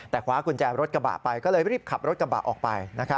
แต่คว้ากุญแจรถกระบะไปก็เลยรีบขับรถกระบะออกไป